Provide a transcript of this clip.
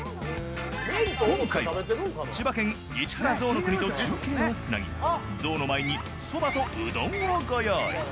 今回は、千葉県市原ぞうの国と中継をつなぎ、象の前にそばとうどんをご用意。